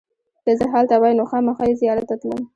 که زه هلته وای نو خامخا یې زیارت ته تلم.